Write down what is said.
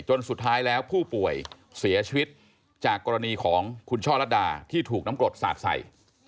จนสุดท้ายแล้วผู้ป่วยเสียชีวิตจากกรณีของคุณช่อลัดดาที่ถูกน้ำกรดสาดใส่